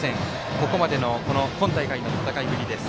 ここまでの今大会の戦いぶりです。